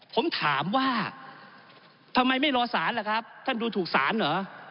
ผมถามว่าทำไมไม่รอสารล่ะครับท่านดูถูกสารเหรอ